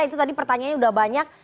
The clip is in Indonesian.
itu tadi pertanyaannya sudah banyak